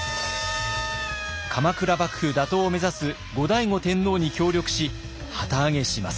鎌倉幕府打倒を目指す後醍醐天皇に協力し旗揚げします。